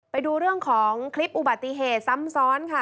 ไปดูเรื่องของคลิปอุบัติเหตุซ้ำซ้อนค่ะ